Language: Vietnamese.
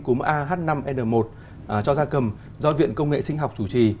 cúm ah năm n một cho gia cầm do viện công nghệ sinh học chủ trì